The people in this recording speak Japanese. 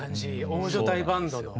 大所帯バンド。